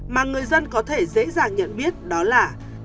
mà người dân có thể dễ dàng nhận biết đó là